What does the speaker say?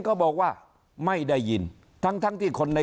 เขาก็ไปร้องเรียน